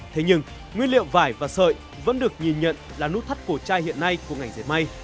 thế nhưng nguyên liệu vải và sợi vẫn được nhìn nhận là nút thắt cổ trai hiện nay của ngành dệt may